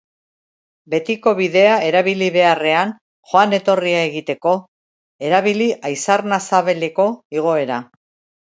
Betiko bidea erabili beharrean joan-etorria egiteko, erabili Aizarnazabeleko igoera.